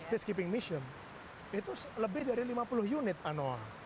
peacekeeping mission itu lebih dari lima puluh unit anoa